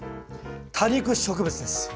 多肉植物です。